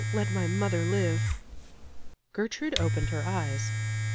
let my mother live!" Gertrude opened her eyes.